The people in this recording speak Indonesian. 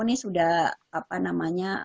ini sudah apa namanya